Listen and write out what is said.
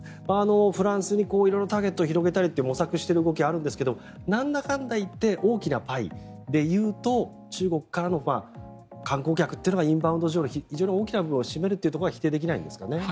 フランスに色々ターゲットを広げたりと模索している動きがあるんですがなんだかんだ言って大きなパイで言うと中国からの観光客というのがインバウンドで非常に大きな部分を占めるのは否定できないんですかね。